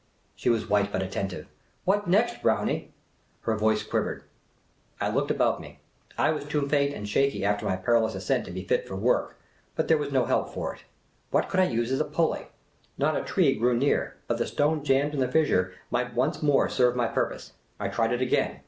She was white, but attentive. " What next, Brownie ?" Her voice quivered. I looked about me. I was too faint and shaky after my perilous ascent to be fit for work, but there was no help for it. What could I use as a pulley ? Not a tree grew near ; but the stone jammed in the fissure might once more serve my purpose. I tried it again.